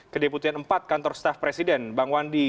kedeputian empat kantor staff presiden bang wandi